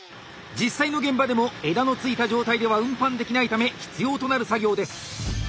実際の現場でも枝のついた状態では運搬できないため必要となる作業です。